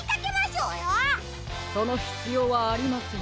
そのひつようはありません。